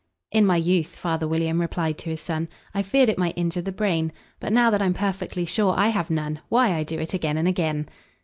"In my youth," father William replied to his son, "I feared it might injure the brain; But, now that I'm perfectly sure I have none, Why, I do it again and again."